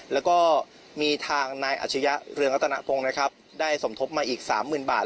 แล้วก็มีทางนายอาชียะเรืองรัตนพงศ์นะครับได้สมทบมาอีก๓๐๐๐บาท